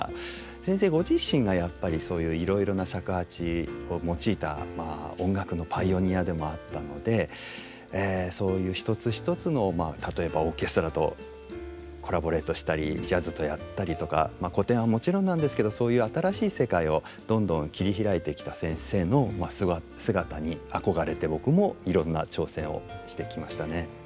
先生ご自身がやっぱりそういういろいろな尺八を用いた音楽のパイオニアでもあったのでそういう一つ一つの例えばオーケストラとコラボレートしたりジャズとやったりとか古典はもちろんなんですけどそういう新しい世界をどんどん切り開いてきた先生の姿に憧れて僕もいろんな挑戦をしてきましたね。